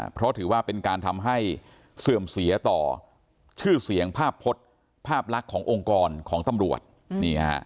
เพราะถือว่าเป็นการทำให้เสื่อมเสียต่อชื่อเสียงภาพพจน์ภาพลักษณ์ขององค์กรของตำรวจนี่ฮะ